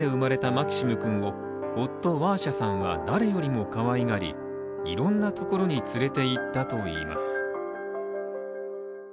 結婚７年目で生まれたマキシムくんを夫・ワーシャさんは誰よりもかわいがり、いろんなところに連れて行ったといいます。